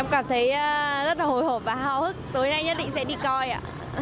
em cảm thấy rất là hồi hộp và hào hức tối nay nhất định sẽ đi coi ạ